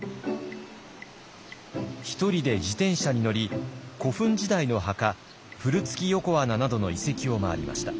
１人で自転車に乗り古墳時代の墓古月横穴などの遺跡を回りました。